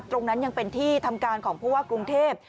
ตรงนั้นยังเป็นที่ทำการของผู้ว่ากรุงเทพ